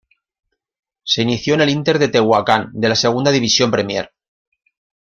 Se inició en el Inter de Tehuacán, de la Segunda División Premier.